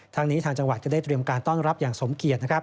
ทางนี้ทางจังหวัดก็ได้เตรียมการต้อนรับอย่างสมเกียจนะครับ